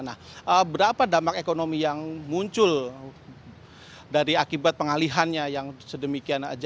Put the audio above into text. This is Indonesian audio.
nah berapa dampak ekonomi yang muncul dari akibat pengalihannya yang sedemikian